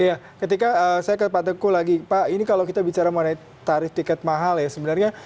iya ketika saya ke pak teguh lagi pak ini kalau kita bicara mengenai tarif tiket mahal ya sebenarnya